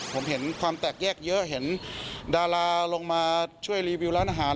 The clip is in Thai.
ผมเห็นความแตกแยกเยอะเห็นดาราลงมาช่วยรีวิวร้านอาหาร